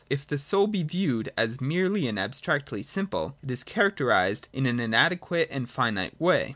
If the soul be viewed as merely and abstractly simple, it is characterised in an inadequate and finite v(7ay.